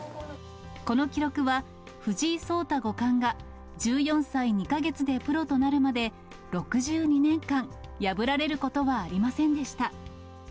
この記録は、藤井聡太五冠が１４歳２か月でプロとなるまで、６２年間、破られることはありませんでした。